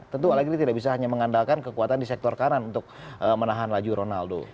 tentu alat ini tidak bisa hanya mengandalkan kekuatan di sektor kanan untuk menahan laju ronaldo